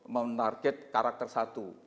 menarget karakter satu